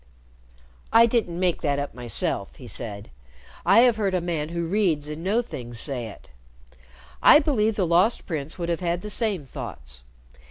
"I didn't make that up myself," he said. "I have heard a man who reads and knows things say it. I believe the Lost Prince would have had the same thoughts.